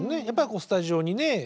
やっぱりスタジオにね